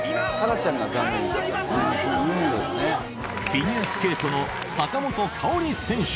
フィギュアスケートの坂本花織選手。